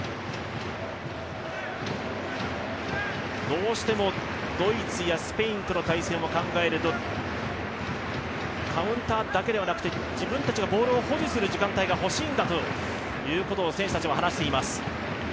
どうしてもドイツやスペインとの対戦を考えるとカウンターだけではなくて、自分たちがボールを保持する時間がほしいんだということを選手たちは話しています。